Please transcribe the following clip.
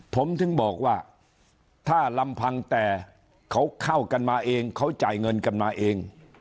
ผมถึงบอกว่าถ้าลำพังแต่เขาเข้ากันมาเองเขาจ่ายเงินกันมาเอง